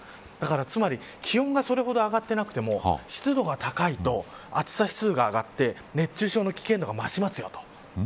つまり気温がそれほど上がっていなくても湿度が高いと暑さ指数が上がって熱中症の危険度が増しますよと。